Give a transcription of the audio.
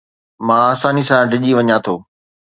مان آساني سان ڊڄي وڃان ٿو